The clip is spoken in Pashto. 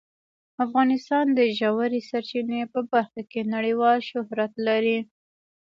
افغانستان د ژورې سرچینې په برخه کې نړیوال شهرت لري.